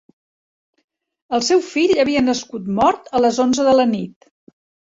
El seu fill havia nascut mort a les onze de la nit.